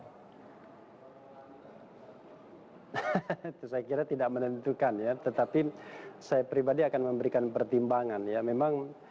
itu saya kira tidak menentukan ya tetapi saya pribadi akan memberikan pertimbangan ya memang